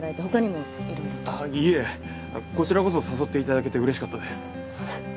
こちらこそ誘っていただけてうれしかったです。